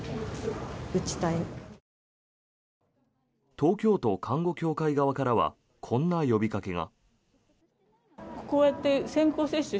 東京都看護協会側からはこんな呼びかけが。